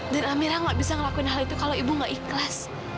dan amirah gak bisa ngelakuin hal itu kalau ibu gak ikhlas